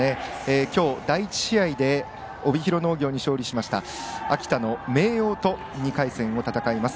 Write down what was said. きょう、第１試合で帯広農業に勝利しました秋田の明桜と２回戦を戦います。